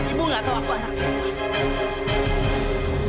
ibu nggak tahu aku anak saya